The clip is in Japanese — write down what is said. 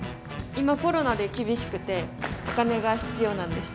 今コロナで厳しくてお金が必要なんです。